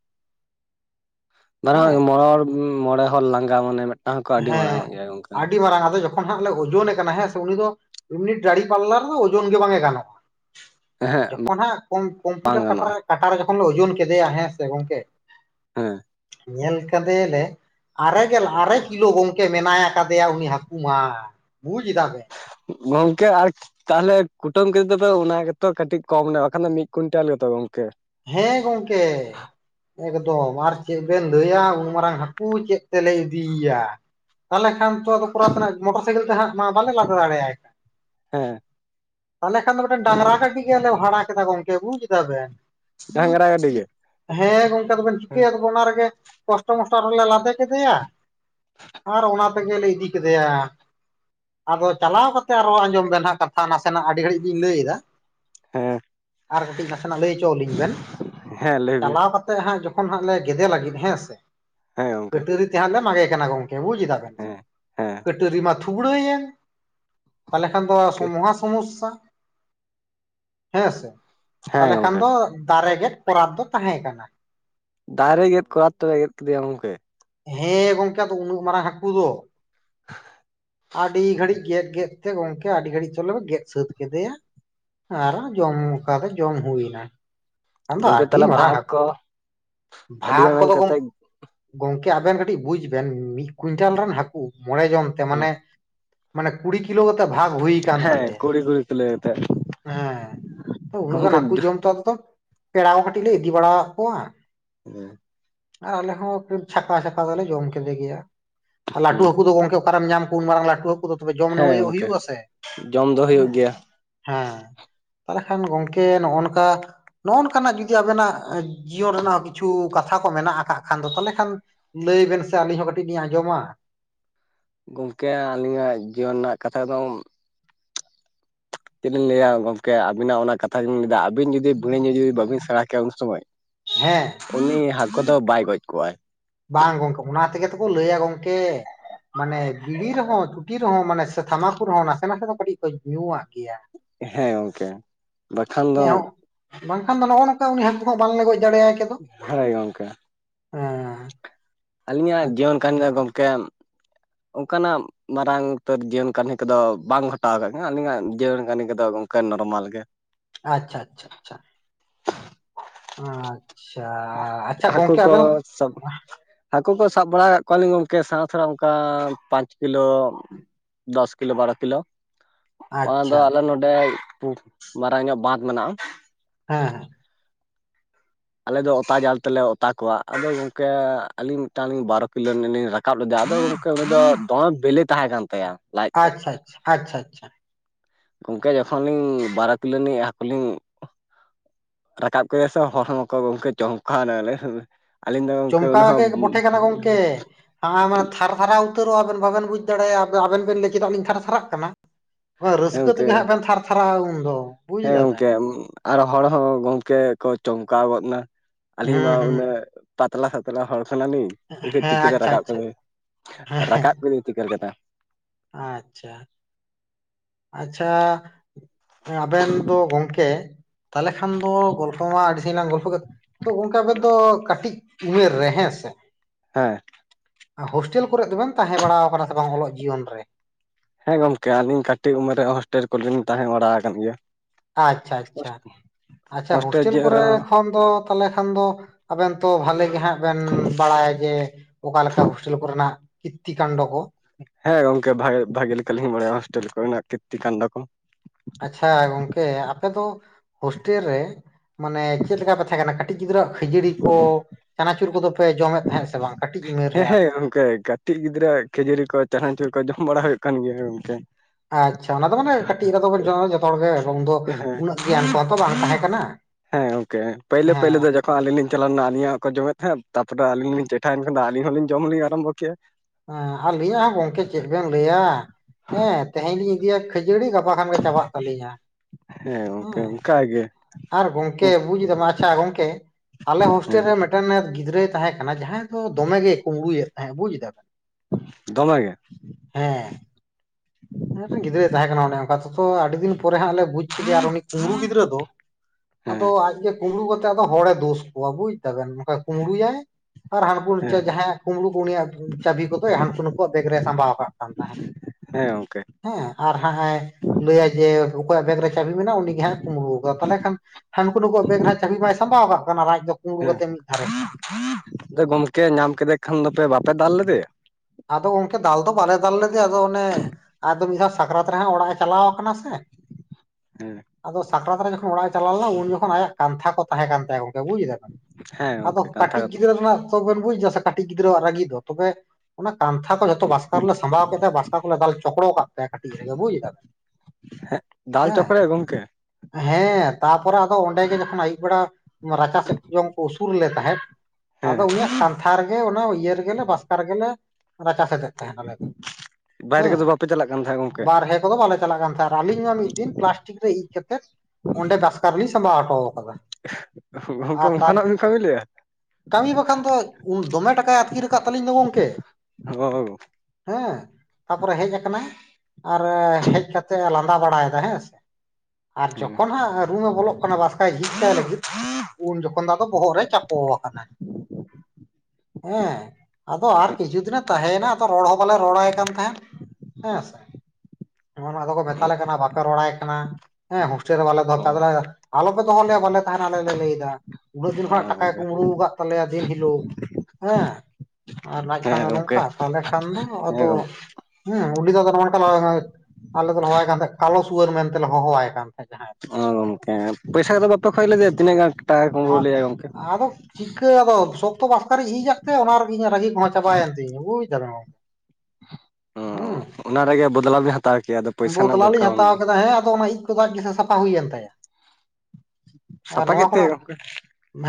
ᱢᱟᱨᱟᱝ ᱟᱜ ᱜᱮ ᱢᱚᱬᱮ ᱦᱚᱲ ᱢᱚᱬᱮ ᱦᱚᱲ ᱞᱟᱸᱜᱟ ᱢᱟᱱᱮ ᱢᱤᱫᱴᱟᱝ ᱦᱟᱹᱠᱩ ᱟᱹᱰᱤ ᱦᱮᱸ ᱢᱟᱨᱟᱝᱚᱜ ᱜᱮᱭᱟ ᱜᱚᱝᱠᱮ ᱟᱹᱰᱤ ᱢᱟᱨᱟᱝ ᱟᱫᱚ ᱡᱚ ᱠᱷᱚᱱ ᱦᱟᱸᱜ ᱞᱮ ᱳᱡᱳᱱᱮ ᱠᱟᱱᱟ ᱦᱮᱸ ᱥᱮ ᱩᱱᱤ ᱫᱚ ᱩᱱᱤ ᱰᱟᱹᱲᱤ ᱯᱟᱞᱞᱟ ᱨᱮᱫᱚ ᱳᱡᱳᱱ ᱜᱮ ᱵᱟᱝ ᱮ ᱜᱟᱱᱚᱜᱼᱟ᱾ ᱮᱦᱮᱸᱜ ᱡᱚᱠᱷᱚᱱ ᱦᱟᱸᱜ ᱠᱚᱢ ᱵᱟᱝ ᱠᱚᱢᱯᱤᱭᱩᱴᱟᱨ ᱠᱟᱴᱟ ᱜᱟᱱᱚᱜᱼᱟ ᱴᱟᱠᱟ ᱨᱮ ᱡᱚᱠᱷᱚᱱ ᱞᱮ ᱳᱡᱳᱱ ᱠᱮᱫᱮᱭᱟ ᱦᱮᱸᱥᱮ ᱜᱚᱝᱠᱮ ᱾ ᱦᱩᱸᱻ ᱧᱮᱞ ᱠᱟᱫᱮᱭᱟᱞᱮ ᱟᱨᱮ ᱜᱮ ᱞᱦᱟᱨᱮ ᱠᱤᱞᱳ ᱜᱚᱝᱠᱮ ᱢᱮᱱᱟᱭ ᱟᱠᱟᱫᱮᱭᱟ ᱩᱱᱤ ᱦᱟᱹᱠᱩ ᱢᱟ ᱵᱩᱡᱽ ᱫᱟᱵᱮᱱ ᱾ ᱜᱚᱝᱠᱮ ᱟᱨ [inaudible] ᱛᱟᱦᱚᱞᱮ ᱠᱩᱴᱟᱹᱢ ᱠᱮᱫᱮ ᱫᱚᱯᱮ ᱚᱱᱟ ᱜᱮᱛᱚ ᱠᱟᱹᱴᱤᱡ ᱠᱚᱢ ᱱᱟ ᱵᱟᱠᱷᱟᱱ ᱫᱚ ᱢᱤᱫ ᱠᱩᱧᱴᱟᱞ ᱜᱮᱛᱚ ᱜᱚᱝᱠᱮ ᱦᱮᱸ ᱜᱚᱝᱠᱮ ᱮᱠᱫᱚᱢ ᱟᱨ ᱪᱮᱫ ᱵᱮᱱ ᱞᱟᱹᱭᱟ ᱩᱱ ᱢᱟᱨᱟᱝ ᱦᱟᱹᱠᱩ ᱪᱮᱫ ᱛᱮᱞᱮ ᱤᱫᱤ ᱮᱭᱟ ᱛᱟᱦᱚᱞᱮ ᱠᱷᱟᱱ ᱛᱚ ᱫᱚ ᱠᱚᱨᱟᱣ ᱛᱮᱱᱟᱜ ᱢᱚᱴᱚᱨ ᱥᱟᱭᱠᱮᱞ ᱛᱮ ᱦᱟᱸᱜ ᱢᱟ ᱵᱟᱞᱮ ᱞᱟᱫᱮ ᱫᱟᱲᱮᱭᱟᱭ ᱠᱟᱱᱟ ᱦᱮᱸ ᱛᱟᱦᱚᱞᱮ ᱠᱷᱟᱱ ᱫᱚ ᱢᱤᱫ ᱴᱮᱱ ᱰᱟᱝᱨᱟ ᱜᱟᱹᱰᱤ ᱜᱮᱞᱮ ᱵᱷᱟᱲᱟ ᱠᱮᱫᱟ ᱜᱚᱝᱠᱮ ᱵᱩᱡ ᱫᱟ ᱵᱮᱱ ᱰᱟᱝᱨᱟ ᱜᱟᱹᱰᱤ ᱜᱮ ᱦᱮᱸ ᱜᱚᱝᱠᱮ ᱟᱫᱚ ᱵᱮᱱ ᱪᱤᱠᱟᱹᱭᱟ ᱛᱚᱵᱮ ᱚᱱᱟ ᱨᱮᱜᱮ ᱠᱚᱥᱴᱚ ᱢᱚᱥᱴᱚ ᱟᱨᱚ ᱞᱮ ᱞᱟᱫᱮ ᱠᱮᱫᱮᱭᱟ ᱟᱨ ᱚᱱᱟ ᱛᱮᱜᱮᱞᱮ ᱤᱫᱤ ᱠᱮᱫᱮᱭᱟ ᱟᱫᱚ ᱪᱟᱞᱟᱣ ᱠᱟᱛᱮ ᱟᱨᱚ ᱟᱸᱡᱚᱢ ᱵᱮᱱ ᱦᱟᱸᱜ ᱠᱟᱛᱷᱟ ᱱᱟᱥᱮ ᱱᱟᱜ ᱟᱹᱰᱤ ᱜᱷᱟᱹᱲᱤᱡ ᱞᱤᱧ ᱞᱟᱹᱭ ᱮᱫᱟ ᱦᱮᱸ ᱟᱨ ᱠᱟᱹᱴᱤᱡ ᱱᱟᱥᱮ ᱱᱟᱜ ᱞᱟᱹᱭ ᱦᱚᱪᱚᱣᱟ ᱞᱤᱧ ᱵᱮᱱ ᱦᱮᱸ ᱞᱟᱹᱭ ᱵᱤᱱ ᱪᱟᱞᱟᱣ ᱠᱟᱛᱮ ᱦᱟᱜ ᱡᱚᱠᱷᱚᱱ ᱦᱟᱸᱜ ᱞᱮ ᱜᱮᱫᱮ ᱞᱟᱹᱜᱤᱫ ᱦᱮᱸᱥᱮ ᱦᱮᱸ ᱜᱚᱝᱠᱮ ᱠᱟᱹᱴᱟᱹᱨᱤ ᱛᱮᱦᱟᱸᱜ ᱞᱮ ᱢᱟᱜᱮ ᱠᱟᱱᱟ ᱜᱚᱝᱠᱮ ᱵᱩᱡ ᱫᱟᱵᱮᱱ ᱦᱮᱸ ᱦᱮᱸ ᱠᱟᱹᱴᱟᱹᱨᱤ ᱢᱟ ᱛᱷᱩᱵᱽᱲᱟᱹᱭᱮᱱ ᱛᱟᱦᱚᱞᱮ ᱠᱷᱟᱱ ᱫᱚ ᱥᱚ ᱢᱟᱦᱟᱥ [inaudible] ᱥᱚᱢᱚᱥᱥᱟ ᱦᱮᱸᱥᱮ ᱦᱮᱸ ᱛᱟᱞᱦᱮ ᱠᱷᱟᱱ ᱜᱚᱝᱠᱮ ᱫᱚ ᱫᱟᱨᱮ ᱜᱮᱫ ᱠᱚᱨᱟᱛᱽ ᱫᱚ ᱛᱟᱦᱮᱸ ᱠᱟᱱᱟ ᱫᱟᱨᱮ ᱜᱮᱫ ᱠᱚᱨᱟᱫᱽ ᱛᱮᱯᱮ ᱜᱮᱫ ᱠᱮᱫᱮᱭᱟ ᱜᱚᱝᱠᱮ ᱦᱮᱸ ᱜᱚᱝᱠᱮ ᱟᱫᱚ ᱩᱱᱟᱹᱜ ᱢᱟᱨᱟᱝ ᱦᱟᱹᱠᱩ ᱫᱚ ᱟᱹᱰᱤ ᱜᱷᱟᱹᱲᱤᱡ ᱜᱮᱫ ᱜᱮᱫ ᱛᱮ ᱜᱚᱝᱠᱮ ᱟᱹᱰᱤ ᱜᱷᱟᱹᱲᱤᱡ ᱪᱚᱞᱮ ᱜᱮᱫ ᱥᱟᱹᱛ ᱠᱮᱫᱮᱭᱟ ᱟᱨ ᱦᱟᱜ ᱡᱚᱢ ᱚᱠᱟ ᱫᱚ ᱡᱚᱢ ᱦᱩᱭ ᱱᱟ ᱟᱢᱫᱚ ᱜᱚᱝᱠᱮ ᱟᱹᱰᱤ ᱛᱟᱦᱚᱞᱮ ᱢᱟᱨᱟᱝ ᱵᱷᱟᱜᱽ ᱦᱟᱠᱩ ᱠᱚ ᱟᱹᱰᱤ ᱵᱷᱟᱜᱽ ᱜᱟᱱ ᱠᱚᱫᱚ ᱜᱚᱝ ᱠᱟᱛᱮᱜ ᱜᱚᱝᱠᱮ ᱟᱵᱮᱱ ᱠᱟᱹᱴᱤᱡ ᱵᱩᱡ ᱵᱮᱱ ᱢᱤᱫ ᱠᱩᱭᱤᱱᱴᱟᱞ ᱨᱮᱱ ᱦᱟᱹᱠᱩ ᱢᱚᱬᱮ ᱡᱚᱱ ᱛᱮ ᱢᱟᱱᱮ ᱢᱟᱱᱮ ᱠᱩᱲᱤ ᱠᱤᱞᱳ ᱠᱟᱛᱮᱜ ᱵᱷᱟᱜᱽ ᱦᱩᱭ ᱟᱠᱟᱱ ᱦᱮᱸ ᱛᱟᱞᱮᱭᱟ ᱠᱩᱲᱤ ᱠᱩᱲᱤ ᱠᱚ ᱞᱟᱹᱭ ᱠᱟᱛᱮ ᱦᱮᱸ ᱩᱱᱟᱹᱜ ᱜᱟᱱ ᱜᱚᱝᱠᱮ ᱦᱟᱹᱠᱩ ᱡᱚᱢ ᱛᱚ ᱟᱫᱚ ᱯᱮᱲᱟ ᱠᱚ ᱠᱟᱹᱴᱤᱡ ᱞᱮ ᱤᱫᱤ ᱵᱟᱲᱟᱣᱟᱜ ᱠᱚᱣᱟ ᱦᱮᱸ ᱟᱨ ᱟᱞᱮ ᱦᱚᱸ ᱪᱷᱟᱯᱷᱟ ᱪᱷᱟᱯᱷᱟ ᱫᱚᱞᱮ ᱡᱚᱢ ᱠᱮᱫᱮ ᱜᱮᱭᱟ ᱞᱟᱹᱴᱩ ᱦᱟᱹᱠᱩ ᱫᱚ ᱜᱚᱝᱠᱮ ᱚᱠᱟ ᱨᱮᱢ ᱧᱟᱢ ᱠᱩ ᱩᱱ ᱢᱟᱨᱟᱝ ᱞᱟᱹᱴᱩ ᱦᱟᱹᱠᱩ ᱫᱚ ᱛᱚᱵᱮ ᱡᱚᱢ ᱦᱮᱸ ᱱᱟᱹᱢᱟᱹᱭᱚᱜ ᱜᱚᱝᱠᱮ ᱦᱩᱭᱩᱜ ᱟᱥᱮ ᱡᱚᱢ ᱫᱚ ᱦᱮᱸ ᱦᱩᱭᱩᱜ ᱜᱮᱭᱟ ᱦᱮᱸ᱾ ᱛᱟᱦᱚᱞᱮ ᱠᱷᱟᱱ ᱜᱚᱝᱠᱮ ᱱᱚᱜᱼᱚ ᱱᱚᱝᱠᱟ ᱱᱚᱝᱠᱟᱱᱟᱜ ᱡᱩᱫᱤ ᱟᱵᱮᱱᱟᱜ ᱡᱤᱭᱚᱱ ᱨᱮᱱᱟᱜ ᱠᱤᱪᱷᱩ ᱠᱟᱛᱷᱟ ᱠᱚ ᱢᱮᱱᱟᱜ ᱟᱠᱟᱫ ᱠᱷᱟᱱ ᱫᱚ ᱛᱟᱦᱚᱞᱮ ᱠᱷᱟᱱ ᱞᱟᱹᱭ ᱵᱮᱱ ᱥᱮ ᱟᱹᱞᱤᱧ ᱦᱚᱸ ᱠᱟᱹᱴᱤᱡ ᱞᱤᱧ ᱟᱸᱡᱚᱢᱟ? ᱜᱚᱝᱠᱮ ᱟᱹᱞᱤᱧᱟᱜ ᱡᱤᱭᱚᱱ ᱨᱮᱱᱟᱜ ᱠᱟᱛᱷᱟ ᱫᱚ ᱪᱮᱫ ᱞᱤᱧ ᱞᱟᱹᱭᱟ ᱜᱚᱝᱠᱮ? ᱟᱵᱤᱱᱟᱜ ᱚᱱᱟ ᱠᱟᱛᱷᱟ ᱜᱮᱞᱤᱧ ᱞᱟᱹᱭ ᱫᱟ ᱟᱹᱵᱤᱱ ᱡᱩᱫᱤ ᱵᱤᱲᱤ ᱧᱩ ᱡᱩᱫᱤ ᱵᱟᱹᱵᱤᱱ ᱥᱮᱬᱟ ᱠᱮᱭᱟ ᱩᱱ ᱥᱚᱢᱚᱭ ᱦᱮᱸ ᱩᱱᱤ ᱦᱟᱹᱠᱩ ᱫᱚ ᱵᱟᱭ ᱜᱚᱡ ᱠᱚᱜ-ᱟᱭ᱾ ᱵᱟᱝ ᱜᱚᱝᱠᱮ ᱚᱱᱟ ᱛᱮᱜᱮ ᱛᱚᱠᱚ ᱞᱟᱹᱭᱟ ᱜᱚᱝᱠᱮ ᱢᱟᱱᱮ ᱵᱤᱲᱤ ᱨᱮᱦᱚᱸ ᱪᱩᱴᱤ ᱨᱮᱦᱚᱸ ᱢᱟᱱᱮ ᱥᱮ ᱛᱷᱟᱢᱟᱠᱩᱨ ᱨᱮᱦᱚᱸ ᱱᱟᱥᱮ ᱱᱟᱥᱮ ᱫᱚ ᱠᱟᱹᱴᱤᱡ ᱠᱚ ᱧᱩᱣᱟᱜ ᱜᱮᱭᱟ᱾ ᱦᱮᱸ ᱜᱚᱝᱠᱮ, ᱵᱟᱠᱷᱟᱱ ᱫᱚ ᱦᱮᱸᱜ ᱵᱟᱝᱠᱷᱟᱱ ᱫᱚ ᱱᱚᱜᱼᱚ ᱱᱚᱝᱠᱟ ᱩᱱᱤ ᱦᱟᱹᱠᱩ ᱦᱚᱸ ᱵᱟᱝ ᱞᱮ ᱜᱚᱡ ᱫᱟᱲᱮᱭᱟᱭ ᱠᱮᱫᱚ᱾ ᱦᱳᱭ ᱜᱚᱝᱠᱮ, ᱦᱮᱸ ᱟᱹᱞᱤᱧᱟᱜ ᱟᱪᱪᱷᱟ ᱡᱤᱭᱚᱱ ᱠᱟᱹᱦᱱᱤ ᱫᱚ ᱜᱚᱝᱢᱮ ᱚᱱᱠᱟᱱᱟᱜ ᱢᱟᱨᱟᱝ ᱩᱛᱟᱹᱨ ᱡᱤᱭᱚᱱ ᱠᱟᱹᱱᱦᱤ ᱠᱚᱫᱚ ᱵᱟᱝ ᱜᱷᱚᱴᱟᱣ ᱟᱠᱟᱫ ᱞᱤᱧᱟ᱾ ᱟᱹᱞᱤᱧᱟᱜ ᱡᱤᱭᱚᱱ ᱠᱟᱹᱦᱱᱤ ᱠᱚᱫᱚ ᱜᱚᱝᱠᱮ ᱱᱚᱨᱢᱟᱞ ᱜᱮ᱾ ᱟᱪᱪᱷᱟ ᱟᱪᱪᱷᱟ ᱟᱪᱪᱷᱟ ᱟᱻᱪᱪᱷᱟ ᱟᱪᱪᱷᱟ ᱦᱟᱹᱠᱩ ᱜᱚᱝᱠᱮ ᱠᱚ ᱟᱵᱤᱱ ᱥᱟᱵ ᱦᱟᱹᱠᱩ ᱠᱚ ᱥᱟᱵ ᱵᱟᱲᱟ ᱠᱟᱜ ᱠᱚᱣᱟᱞᱤᱧ ᱜᱚᱝᱠᱮ ᱥᱮᱲᱟ ᱥᱮᱲᱟᱶ ᱚᱱᱠᱟ ᱯᱟᱸᱪ ᱠᱤᱞᱳ ᱫᱚᱥ ᱠᱤᱞᱳ ᱵᱟᱨᱚ ᱠᱤᱞᱳ ᱟᱫᱚ ᱟᱪᱪᱷᱟ ᱟᱞᱮ ᱱᱚᱸᱰᱮ ᱢᱟᱨᱟᱝ ᱧᱚᱜ ᱵᱟᱸᱫᱷ ᱢᱮᱱᱟᱜᱼᱟ᱾ ᱦᱮᱸ ᱦᱮᱸ ᱟᱞᱮ ᱫᱚ ᱚᱛᱟ ᱡᱟᱞ ᱛᱮᱞᱮ ᱚᱛᱟ ᱠᱚᱣᱟ᱾ ᱟᱫᱚ ᱜᱚᱝᱠᱮ ᱟᱹᱞᱤᱧ ᱢᱤᱫᱴᱟᱝ ᱞᱤᱧ ᱵᱟᱨᱚ ᱠᱤᱞᱳ ᱨᱤᱱᱤᱞᱤᱧ ᱨᱟᱠ ᱨᱟᱠᱟᱵ ᱞᱮᱫᱮᱭᱟ, ᱟᱫᱚ ᱜᱚᱢᱠᱮ ᱩᱱᱤ ᱫᱚ ᱫᱚᱢᱮ ᱵᱮᱞᱮ ᱛᱟᱦᱮᱸ ᱠᱟᱱ ᱛᱟᱭᱟ᱾ ᱞᱟᱡ ᱨᱮ ᱟᱪᱪᱷᱟ ᱟᱪᱪᱷᱟ ᱟᱪᱪᱷᱟ ᱟᱪᱪᱷᱟ ᱜᱚᱝᱠᱮ ᱡᱚᱠᱷᱚᱱ ᱞᱤᱧ ᱵᱟᱨᱳ ᱠᱤᱞᱳ ᱨᱤᱱᱤᱡ ᱦᱟᱹᱠᱩ ᱞᱤᱧ ᱨᱟᱠᱟᱵ ᱠᱮᱫᱭᱟ ᱥᱮ ᱦᱚᱲ ᱢᱟ ᱠᱚ ᱜᱚᱝᱠᱮ ᱪᱚᱢᱠᱟᱣᱱᱟᱞᱮ᱾ ᱪᱚᱢᱠᱟᱣ ᱜᱮ ᱵᱚᱴᱷᱮ ᱠᱟᱱᱟ ᱜᱚᱝᱠᱮ, ᱟᱢ ᱢᱟ ᱛᱷᱟᱨ ᱛᱷᱟᱨᱟᱣ ᱩᱛᱟᱹᱨᱚᱜ ᱟᱵᱮᱱ ᱵᱟᱵᱮᱱ ᱵᱩᱡᱽ ᱫᱟᱲᱮᱭᱟᱜᱼᱟ ᱟᱵᱮᱱ ᱟᱵᱮᱱ ᱵᱮᱱ ᱞᱟᱹᱭ ᱠᱮᱫᱟ ᱟᱹᱞᱤᱧ ᱛᱷᱟᱨᱛᱷᱟᱨᱟᱜ ᱠᱟᱱᱟ᱾ ᱦᱳᱭ ᱦᱮᱸ ᱨᱟᱹᱥᱠᱟᱹ ᱜᱚᱢᱠᱮ ᱛᱮᱜᱮ ᱦᱟᱸᱜ ᱵᱮᱱ ᱛᱷᱟᱨ ᱛᱷᱟᱨᱟᱜ ᱩᱱ ᱫᱚ, ᱦᱮᱸ ᱜᱚᱝᱠᱮ ᱟᱨᱚ ᱦᱚᱲ ᱦᱚᱸ ᱜᱚᱢᱠᱮ ᱠᱚ ᱪᱚᱢᱠᱟᱣ ᱜᱚᱫ ᱱᱟ᱾ ᱟᱹᱞᱤᱧ ᱢᱟ ᱦᱩᱸ ᱦᱩᱸ ᱩᱱᱟᱹᱜ ᱯᱟᱛᱞᱟ ᱥᱟᱛᱞᱟ ᱦᱚᱲ ᱠᱟᱱᱟᱞᱤᱧ᱾ [unintelligible] ᱦᱮᱸ ᱪᱤᱠᱟᱹᱛᱮ ᱟᱪᱪᱷᱟ ᱨᱟᱠᱟᱵ ᱟᱪᱪᱷᱟ ᱠᱮᱫᱮ ᱟᱹᱧ? ᱦᱮᱸ ᱦᱮᱸ ᱨᱟᱠᱟᱵ ᱠᱮᱫᱮ ᱟᱹᱧ ᱪᱤᱠᱟᱹ ᱞᱮᱠᱟᱛᱮ? ᱟᱪᱪᱷᱟ ᱟᱪᱪᱷᱟ ᱟᱵᱮᱱ ᱫᱚ ᱜᱚᱝᱠᱮ ᱛᱟᱦᱚᱞᱮ ᱠᱷᱟᱱ ᱫᱚ ᱜᱚᱞᱯᱷᱚ ᱢᱟ ᱟᱹᱰᱤ ᱥᱟᱹᱜᱤᱧ ᱞᱟᱝ ᱜᱚᱞᱯᱷᱚ ᱛᱚ ᱚᱱᱠᱟ ᱟᱵᱮ ᱫᱚ ᱠᱟᱹᱴᱤᱡ ᱩᱢᱮᱨ ᱨᱮ ᱦᱮᱸᱥᱮ ᱦᱮᱸ ᱦᱳᱥᱴᱮᱞ ᱠᱚᱨᱮ ᱫᱚᱵᱮᱱ ᱛᱟᱦᱮᱸ ᱵᱟᱲᱟ ᱟᱠᱟᱱᱟ ᱥᱮ ᱵᱟᱝ ᱚᱞᱚᱜ ᱡᱤᱭᱚᱱ ᱨᱮ? ᱦᱮᱸ ᱜᱚᱢᱠᱮ ᱟᱹᱞᱤᱧ ᱠᱟᱹᱴᱤᱡ ᱩᱢᱮᱨ ᱨᱮ ᱦᱳᱥᱴᱮᱞ ᱠᱚᱨᱮ ᱞᱤᱧ ᱛᱟᱦᱮᱸ ᱵᱟᱲᱟ ᱠᱟᱱ ᱜᱮᱭᱟ᱾ ᱟᱪᱪᱷᱟ ᱟᱪᱪᱷᱟ ᱟᱪᱪᱷᱟ ᱦᱳᱥᱴᱮᱞ ᱡᱤᱭᱚᱱ ᱠᱚᱨᱮ ᱨᱮᱦᱚᱸ ᱠᱷᱚᱱ ᱛᱚ ᱛᱟᱦᱞᱮ ᱠᱷᱟᱱ ᱫᱚ ᱟᱵᱮᱱ ᱛᱚ ᱵᱷᱟᱞᱮ ᱜᱮ ᱦᱟᱸᱜ ᱵᱮᱱ ᱵᱟᱲᱟᱭ ᱜᱮ ᱚᱠᱟ ᱞᱮᱠᱟ ᱦᱳᱥᱴᱮᱞ ᱠᱚᱨᱮᱱᱟᱜ ᱠᱤᱨᱛᱤ ᱠᱟᱱᱰᱚ ᱠᱚ᱾ ᱦᱮᱸ ᱜᱚᱢᱠᱮ ᱵᱷᱟ ᱵᱷᱟᱜᱮ ᱞᱮᱠᱟ ᱞᱤᱧ ᱵᱟᱲᱟᱭᱟ ᱦᱳᱥᱴᱮᱞ ᱠᱚᱨᱮᱱᱟᱜ ᱠᱤᱨᱛᱤ ᱠᱟᱱᱰᱚ ᱠᱚ᱾ ᱟᱪᱪᱷᱟ ᱜᱚᱝᱠᱮ ᱟᱯᱮ ᱫᱚ ᱦᱳᱥᱴᱮᱞ ᱨᱮ ᱢᱟᱱᱮ ᱪᱮᱫ ᱞᱮᱠᱟ ᱯᱮ ᱛᱟᱦᱮᱸ ᱠᱟᱱᱟ? ᱠᱟᱹᱴᱤᱡ ᱜᱤᱫᱽᱨᱟᱹ ᱟᱜ ᱠᱷᱟᱹᱡᱟᱹᱲᱤ ᱠᱚ ᱪᱟᱱᱟᱪᱩᱨ ᱠᱚᱫᱚ ᱯᱮ ᱡᱚᱢᱮᱫ ᱛᱟᱦᱮᱸᱜ ᱥᱮ ᱵᱟᱝ? ᱠᱟᱹᱴᱤᱡ ᱩᱢᱮᱨ ᱨᱮ ᱦᱮᱸ ᱟᱨ ᱦᱮᱸ ᱪᱮᱫ ᱜᱚᱢᱠᱮ ᱠᱟᱹᱴᱤᱡ ᱜᱤᱫᱽᱨᱟᱹ ᱟᱜ ᱠᱷᱟᱹᱡᱟᱹᱨᱤ ᱠᱚ ᱪᱟᱱᱟᱪᱩᱨ ᱠᱚ ᱡᱚᱢ ᱵᱟᱲᱟ ᱦᱩᱭᱩᱜ ᱠᱟᱱ ᱜᱮᱭᱟ ᱜᱚᱢᱠᱮ᱾ ᱟᱪᱪᱷᱟ ᱚᱱᱟ ᱫᱚ ᱢᱟᱱᱮ ᱠᱟᱹᱴᱤᱡ ᱨᱮᱫᱚ ᱵᱚᱱ ᱡᱚᱢᱟ ᱡᱚᱛᱚ ᱦᱚᱲ ᱜᱮ ᱮᱵᱚᱝ ᱩᱱᱫᱚ ᱦᱮᱸ ᱩᱱᱟᱹᱜ ᱜᱮᱭᱟᱱ ᱠᱚᱦᱚᱸ ᱛᱚ ᱵᱟᱝ ᱛᱟᱦᱮᱸ ᱠᱟᱱᱟ᱾ ᱦᱮᱸ ᱜᱚᱢᱠᱮ ᱯᱟᱹᱭᱞᱟᱹ ᱦᱮᱸ ᱯᱟᱹᱭᱞᱟᱹ ᱫᱚ ᱡᱚᱜ [unintelligible] ᱟᱹᱞᱤᱧ ᱞᱤᱧ ᱪᱟᱞᱟᱣ ᱞᱮᱱᱟ ᱟᱹᱞᱤᱧᱟᱜ ᱦᱚᱸᱠᱚ ᱡᱚᱢᱮᱫ ᱛᱟᱦᱮᱸᱫ ᱛᱟᱨᱯᱚᱨᱮ ᱟᱹᱧᱤᱧ ᱞᱤᱧ ᱪᱮᱴᱷᱟᱭᱮᱱ ᱠᱷᱟᱱ ᱫᱚ ᱟᱞᱤᱧ ᱦᱚᱞᱤᱧ ᱡᱚᱢ ᱞᱤᱧ ᱟᱨᱟᱢᱵᱚ ᱠᱮᱜᱼᱟ᱾ ᱟᱸ ᱟᱞᱤᱧᱟᱜ ᱦᱚᱸ ᱜᱚᱝᱠᱮ ᱪᱮᱫ ᱵᱮᱱ ᱞᱟᱹᱭᱟ ᱦᱮᱸ ᱛᱮᱦᱮᱧ ᱞᱤᱧ ᱤᱫᱤᱭᱟ ᱠᱷᱟᱹᱡᱟᱹᱲᱤ ᱜᱟᱯᱟ ᱠᱷᱟᱱ ᱪᱟᱵᱟᱜ ᱛᱟᱹᱞᱤᱧᱟ᱾ ᱦᱮᱸ ᱜᱚᱢᱠᱮ ᱚᱱᱠᱟ ᱜᱮ ᱟᱨ ᱜᱚᱝᱠᱮ ᱵᱩᱡᱽ ᱫᱟᱢ ᱟᱪᱪᱷᱟ ᱜᱚᱝᱠᱮ ᱟᱞᱮ ᱦᱳᱥᱴᱮᱞ ᱦᱮᱸ ᱨᱮ ᱢᱤᱫᱴᱮᱱ ᱜᱤᱫᱽᱨᱟᱹᱭ ᱛᱟᱦᱮᱸ ᱠᱟᱱᱟ ᱡᱟᱦᱟᱸᱭ ᱫᱚᱢᱮ ᱜᱮ ᱠᱩᱢᱵᱽᱲᱩᱭᱮᱫ ᱛᱟᱦᱮᱸᱜ ᱵᱩᱡᱽ ᱫᱟ ᱵᱮᱱ ᱫᱚᱢᱮ ᱜᱮ ᱦᱮᱸ ᱟᱞᱮ ᱴᱷᱮᱱ ᱜᱤᱫᱨᱟᱹᱭ ᱛᱟᱦᱮᱸ ᱠᱟᱱᱟ ᱚᱱᱮ ᱚᱱᱠᱟ ᱟᱯᱟᱛᱚᱛᱚ ᱟᱹᱰᱤ ᱫᱤᱱ ᱯᱚᱨᱮ ᱦᱟᱸᱜ ᱞᱮ ᱵᱩᱡᱽ ᱠᱮᱫᱮᱭᱟ ᱟᱨ ᱩᱱᱤ ᱠᱩᱢᱲᱩ ᱜᱤᱫᱽᱨᱟᱹ ᱫᱚ, ᱦᱮᱸ ᱟᱫᱚ ᱟᱡᱽ ᱜᱮ ᱠᱩᱢᱵᱽᱲᱩ ᱜᱚᱛᱮ ᱟᱫᱚ ᱦᱚᱲᱮ ᱫᱳᱥ ᱠᱚᱣᱟ ᱵᱩᱡᱽ ᱛᱟᱵᱮᱱ ᱚᱝᱠᱟ ᱠᱩᱢᱵᱽᱲᱩᱭᱟᱭ ᱟᱨ ᱦᱟᱱᱠᱩᱪᱚ ᱦᱮᱸ ᱡᱟᱦᱟᱸᱭ ᱠᱩᱢᱲᱩ ᱠᱩᱱᱤᱭᱟᱜ ᱪᱟᱹᱵᱤ ᱠᱚᱫᱚᱭ ᱦᱟᱱᱠᱩ ᱱᱩᱠᱩᱣᱟᱜ ᱵᱮᱜ ᱨᱮ ᱥᱟᱢᱵᱟᱣ ᱠᱟᱜ ᱠᱟᱱ ᱛᱟᱦᱮᱸᱫ ᱦᱮᱸ ᱜᱚᱝᱠᱮ ᱦᱮᱸ ᱟᱨ ᱦᱟᱸᱜ ᱮ ᱞᱟᱹᱭᱟ ᱡᱮ ᱚᱠᱚᱭᱟᱜ ᱵᱮᱜᱽ ᱨᱮ ᱪᱟᱹᱵᱤ ᱢᱮᱱᱟᱜᱼᱟ ᱩᱱᱤᱜᱮ ᱦᱟᱸᱜ ᱠᱩᱢᱲᱩ ᱟᱠᱟᱫᱟ ᱛᱟᱦᱟᱞᱮ ᱠᱷᱟᱱ ᱦᱟᱱᱠᱩ ᱱᱟᱠᱚᱣᱟᱜ ᱵᱮᱜᱽ ᱨᱮ ᱦᱟᱸᱜ ᱪᱟᱹᱵᱤ ᱢᱟᱭ ᱥᱟᱢᱵᱟᱣ ᱠᱟᱜ ᱠᱟᱱᱟ ᱟᱡᱫᱚ ᱠᱩᱢᱲᱩ ᱠᱟᱛᱮᱫ ᱢᱤᱫ ᱫᱷᱟᱨᱮ ᱫᱚ ᱜᱚᱢᱠᱮ ᱧᱟᱢ ᱠᱮᱫᱮ ᱠᱷᱟᱱ ᱫᱚ ᱯᱮ ᱵᱟᱯᱮ ᱫᱟᱞ ᱞᱮᱫᱮᱭᱟ᱾ ᱟᱫᱚ ᱜᱚᱝᱠᱮ ᱫᱟᱞ ᱫᱚ ᱵᱟᱞᱮ ᱫᱟᱞ ᱞᱮᱫᱮᱭᱟ ᱟᱫᱚ ᱚᱱᱮ ᱟᱫᱚ ᱢᱤᱫ ᱫᱷᱟᱣ ᱥᱟᱠᱨᱟᱛ ᱨᱮ ᱦᱟᱸ ᱚᱲᱟᱜ ᱮ ᱪᱟᱞᱟᱣ ᱠᱟᱱᱟ ᱥᱮ ᱦᱮᱸ ᱟᱫᱚ ᱥᱟᱠᱨᱟᱛ ᱨᱮ ᱡᱚᱠᱷᱚᱱ ᱚᱲᱟᱜ ᱮ ᱪᱟᱞᱟᱣ ᱞᱮᱱᱟ ᱩᱱ ᱡᱚᱠᱷᱚᱱ ᱟᱭᱟᱜ ᱠᱟᱱᱛᱷᱟ ᱠᱚ ᱛᱟᱦᱮᱸᱠᱟᱱ ᱛᱟᱭᱟ ᱜᱚᱝᱠᱮ ᱵᱩᱡᱽ ᱫᱟᱢ ᱦᱮᱸ ᱟᱫᱚ ᱜᱚᱝᱠᱮ ᱠᱟᱱᱛᱷᱟ ᱠᱟᱹᱴᱤᱡᱽ ᱠᱟᱛᱷᱟ ᱜᱤᱫᱽᱨᱟᱹ ᱫᱚ ᱱᱟᱸᱜ ᱵᱩᱡᱟ ᱥᱮ ᱠᱟᱹᱴᱤᱡᱽ ᱜᱤᱫᱽᱨᱟᱹᱣᱟᱜ ᱨᱟᱹᱜᱤ ᱫᱚ ᱛᱚᱵᱮ ᱚᱱᱟ ᱠᱟᱱᱛᱷᱟ ᱠᱚ ᱡᱚᱛᱚ ᱵᱟᱥᱠᱟ ᱮᱨ ᱞᱮ ᱥᱟᱢᱵᱟᱣ ᱠᱮᱫᱟ ᱵᱟᱥᱠᱟ ᱠᱚ ᱞᱮ ᱫᱟᱞ ᱪᱚᱠᱲᱚ ᱠᱟᱫ ᱛᱟᱭᱟ ᱠᱟᱹᱴᱤᱡᱽ ᱨᱮᱜᱮ ᱵᱩᱡᱽ ᱫᱟᱵᱮᱱ ᱦᱮᱸᱜ ᱫᱟᱞ ᱦᱮᱸ ᱪᱚᱠᱨᱮ ᱜᱚᱝᱠᱮ? ᱦᱮᱸ ᱛᱟᱯᱚᱨᱮ ᱟᱫᱚ ᱚᱸᱰᱮᱜᱮ ᱡᱚᱠᱷᱚᱱ ᱟᱹᱭᱩᱵ ᱵᱮᱲᱟ ᱨᱟᱪᱟᱥᱮᱫ ᱡᱚᱝ ᱠᱚ ᱩᱥᱩᱨ ᱞᱮᱫ ᱛᱟᱦᱮᱸᱫ ᱦᱮᱸ ᱟᱫᱚ ᱩᱱᱤᱭᱟᱜ ᱠᱟᱱᱛᱷᱟ ᱨᱮ ᱜᱮ ᱚᱱᱟ ᱤᱭᱟᱹ ᱨᱮᱜᱮᱞᱮ ᱵᱟᱥᱠᱟ ᱨᱮᱜᱮᱞᱮ ᱨᱟᱪᱟᱠᱟᱫᱮᱫ ᱛᱟᱦᱮᱱᱟᱞᱮ ᱵᱟᱭᱨᱮ ᱦᱮᱸ ᱠᱚᱫᱚ ᱵᱟᱯᱮ ᱪᱟᱞᱟᱜ ᱠᱟᱱ ᱛᱟᱦᱮᱸᱫ ᱜᱚᱝᱠᱮ ᱵᱟᱨᱦᱮ ᱠᱚᱫᱚ ᱵᱟᱞᱮ ᱪᱟᱞᱟᱜ ᱠᱟᱱ ᱛᱟᱦᱮᱸ ᱟᱨ ᱟᱹᱞᱤᱧ ᱢᱟ ᱢᱤᱫ ᱫᱤᱱ ᱯᱮᱞᱟᱥᱴᱤᱠ ᱨᱮ ᱤᱡᱽ ᱠᱟᱛᱮᱫ ᱚᱸᱰᱮ ᱵᱟᱥᱠᱟᱨᱤᱞᱤᱧ ᱥᱟᱢᱵᱟᱣ ᱦᱚᱴᱚ ᱠᱟᱫᱟ ᱜᱚᱝᱠᱮ ᱟᱨ ᱛᱟᱨ ᱚᱱᱠᱟᱱᱟᱜ ᱵᱤᱱ ᱠᱟᱹᱢᱤ ᱞᱮᱜᱼᱟ ᱠᱟᱹᱢᱤ ᱵᱟᱠᱷᱟᱱ ᱫᱚ ᱫᱚᱢᱮ ᱴᱟᱠᱟᱭ ᱟᱛᱠᱤᱨ ᱟᱠᱟᱫ ᱛᱟᱹᱞᱤᱧ ᱫᱚ ᱜᱚᱝᱠᱮ ᱦᱳ ᱦᱮᱸ ᱛᱟᱯᱚᱨᱮ ᱦᱮᱡᱽ ᱟᱠᱟᱱᱟᱭ ᱟᱨ ᱦᱮᱡᱽ ᱠᱟᱛᱮ ᱞᱟᱸᱫᱟ ᱵᱟᱲᱟᱭᱮᱫᱟ ᱦᱮᱸ ᱥᱮ ᱟᱨ ᱦᱮᱸ ᱡᱚᱠᱷᱚᱱ ᱦᱟᱸᱜ ᱨᱩᱢ ᱮ ᱵᱚᱞᱚᱜ [unintelligible] ᱵᱟᱥᱠᱟᱭ ᱡᱷᱤᱡᱽ ᱛᱟᱭ ᱞᱟᱹᱜᱤᱫ ᱩᱱ ᱡᱚᱠᱷᱚᱱ ᱫᱚ ᱟᱫᱚ ᱵᱚᱦᱚᱜ ᱨᱮᱭ ᱪᱟᱯᱚ ᱟᱠᱟᱱᱟ᱾ ᱦᱮᱸ ᱟᱫᱚ ᱟᱨ ᱠᱤᱪᱷᱩ ᱫᱤᱱᱮ ᱛᱦᱭᱮᱱᱟ ᱟᱫᱚ ᱨᱚᱲ ᱦᱚᱸ ᱵᱟᱞᱮ ᱨᱚᱲᱟᱭ ᱠᱟᱱ ᱛᱟᱦᱮᱸᱱ᱾ ᱦᱮᱸ ᱥᱮ, ᱮᱢᱟᱱ ᱟᱫᱚ ᱠᱚ ᱢᱮᱛᱟᱞᱮ ᱠᱟᱱᱟ ᱵᱟᱯᱮ ᱨᱚᱲᱟᱭ ᱠᱟᱱᱟ ᱦᱮᱸ ᱦᱳᱥᱴᱮᱞ ᱨᱮ ᱵᱟᱞᱮ ᱫᱚᱦᱚ ᱚ ᱛᱟ, [inaudible] ᱟᱞᱚᱯᱮ ᱫᱚᱦᱚ ᱞᱮᱭᱟ ᱵᱟᱞᱮ ᱛᱟᱦᱮᱱᱟ ᱟᱞᱮ ᱞᱮ ᱞᱟᱹᱭᱫᱟ ᱩᱱᱟᱹᱜ ᱫᱤᱱ ᱚ ᱠᱷᱚᱱᱟᱜ ᱴᱟᱠᱟᱭ ᱜᱚᱝᱠᱮ ᱠᱩᱢᱵᱽᱲᱩ ᱠᱟᱫ ᱛᱟᱞᱮᱭᱟ ᱫᱤᱱ ᱦᱤᱞᱳᱜ ᱦᱮᱸ ᱟᱨ ᱱᱟᱡ ᱦᱮᱸ ᱠᱷᱟᱱ ᱫᱚ ᱱᱚᱝ ᱜᱚᱝᱠᱮ ᱛᱟᱦᱟᱞᱮ ᱠᱷᱟᱱ ᱫᱚ ᱦᱮᱸ ᱟᱫᱚ ᱜᱚᱝ ᱦᱮᱸ ᱩᱱᱤ ᱫᱚ ᱟᱫᱚ ᱱᱚᱭᱠᱟ ᱟᱞᱮ ᱫᱚ ᱞᱮ ᱦᱚᱦᱚᱼᱟᱭ ᱛᱟᱦᱮᱸᱫ ᱠᱟᱞᱳ ᱥᱩᱣᱟᱹᱨ ᱢᱮᱱᱛᱮ ᱞᱮ ᱦᱚᱦᱚᱣᱟᱭ ᱠᱟᱱ ᱛᱟᱦᱮᱸᱫ ᱡᱟᱦᱟᱸᱭ ᱚ ᱜᱚᱝᱠᱮ, ᱯᱚᱭᱥᱟ ᱠᱚᱫᱚ ᱵᱟᱯᱮ ᱠᱷᱚᱭ ᱞᱮᱫᱮᱭᱟ? ᱛᱤᱱᱟᱹᱜ ᱜᱟᱱ ᱴᱟᱠᱟᱭ ᱠᱚᱢᱲᱩ ᱟᱨ ᱞᱮᱜᱟᱭ ᱜᱚᱝᱠᱮ ᱟᱫᱚ ᱪᱤᱠᱟᱹ ᱟᱫᱚ ᱥᱚᱠᱛᱚ ᱵᱟᱥᱠᱟᱨᱤᱧ ᱤᱡᱟᱜ ᱛᱟᱭᱟ ᱚᱱᱟᱨᱮᱜᱮ ᱤᱧᱟᱹᱜ ᱨᱟᱹᱜᱤ ᱠᱚᱦᱚᱸ ᱪᱟᱵᱟᱭᱮᱱ ᱛᱤᱧᱟᱹ ᱵᱩᱡᱽ ᱫᱟ ᱵᱮᱱ ᱜᱚᱝᱠᱮ [inaudible] ᱚᱸᱻ ᱦᱩᱸ ᱚᱱᱟ ᱨᱮᱜᱮ ᱵᱚᱫᱞᱟᱵᱤᱱ ᱦᱟᱛᱟᱣ ᱠᱮᱭᱟ ᱟᱫᱚ ᱯᱚᱭᱥᱟ ᱨᱮᱱᱟᱜ ᱵᱚᱫᱞᱟ ᱞᱤᱧ ᱫᱚᱨᱠᱟᱨ ᱵᱟᱸ ᱦᱟᱛᱟᱣ ᱠᱮᱫᱟ ᱦᱮᱸ ᱟᱫᱚ ᱚᱱᱟ ᱤᱡ ᱟᱡ ᱜᱮ ᱥᱮ ᱥᱟᱯᱷᱟ ᱦᱩᱭᱮᱱ ᱛᱟᱭᱟ, ᱟᱨ ᱥᱟᱯᱷᱟ ᱱᱚᱣᱟ ᱠᱮᱫ ᱛᱮ ᱠᱷᱱᱟᱜ ᱜᱚᱝᱠᱮ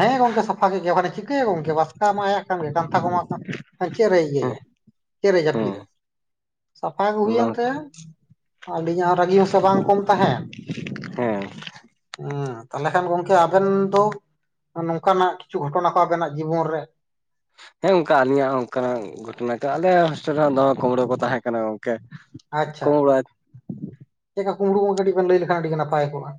ᱦᱮᱸ ᱜᱚᱝᱠᱮ ᱥᱟᱯᱷᱟ ᱜᱮ ᱢᱟᱱᱮ ᱪᱤᱠᱟᱹᱭᱟ ᱜᱚᱝᱠᱮ ᱵᱟᱥᱠᱟ ᱢᱟ ᱟᱭᱟᱜ ᱠᱟᱱ ᱜᱮ ᱠᱟᱱᱛᱷᱟ ᱠᱚ ᱢᱟ ᱪᱮᱨᱮ ᱦᱮᱸ ᱤᱭᱟᱹᱭᱟ? ᱪᱮᱨᱮ ᱦᱮᱸ ᱡᱟᱹᱯᱤᱫᱟ ᱥᱟᱯᱷᱟ ᱜᱮ ᱚᱱᱟ ᱦᱩᱭᱮᱱ ᱛᱟᱭᱟ᱾ ᱟᱹᱞᱤᱧᱟᱜ ᱨᱟᱹᱜᱤ ᱦᱚᱸ ᱥᱮ ᱵᱟᱝ ᱠᱚᱢ ᱛᱟᱦᱮᱸᱱ᱾ ᱦᱮᱸ ᱩᱸᱻ ᱛᱟᱦᱟᱞᱮ ᱠᱷᱟᱱ ᱜᱚᱝᱠᱮ ᱟᱵᱮᱱ ᱫᱚ? ᱱᱚᱝᱠᱟᱱᱟᱜ ᱠᱤᱪᱷᱩ ᱜᱷᱚᱴᱚᱱᱟ ᱠᱚ ᱟᱵᱮᱱᱟᱜ ᱡᱤᱵᱚᱱ ᱨᱮ? ᱦᱮᱸ ᱚᱱᱠᱟ ᱟᱞᱤᱧᱟᱜ ᱦᱚᱸ ᱚᱱᱠᱟᱱᱟᱜ ᱜᱷᱚᱴᱚᱱᱟ ᱟᱞᱮ ᱦᱳᱥᱴᱮᱞ ᱨᱮ ᱦᱚ ᱫᱚᱢᱮ ᱠᱩᱢᱲᱩ ᱠᱚ ᱛᱟᱦᱮᱸ ᱠᱟᱱᱟ ᱜᱚᱝᱠᱮ᱾ ᱟᱪᱪᱷᱟ, ᱠᱩᱢᱵᱽᱲᱩ ᱪᱮᱫᱠᱟ ᱠᱩᱢᱲᱩ ᱠᱚ ᱠᱟᱹᱴᱤᱡᱽᱨᱵᱮᱱ ᱞᱟᱹᱭ ᱞᱮᱠᱷᱟᱱ ᱟᱹᱰᱤ ᱱᱟᱯᱟᱭ ᱠᱚᱜᱼᱟ᱾